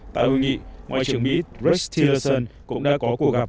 tại hội nghị ngoại trưởng mỹ rex tillerson cũng đã có cuộc gặp